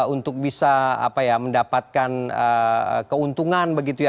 untuk bisa mendapatkan keuntungan begitu ya